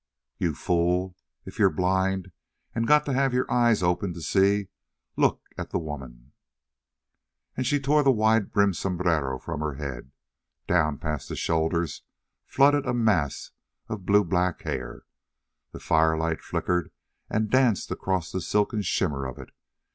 "You fool, if you're blind and got to have your eyes open to see, look at the woman!" And she tore the wide brimmed sombrero from her head. Down past the shoulders flooded a mass of blue black hair. The firelight flickered and danced across the silken shimmer of it.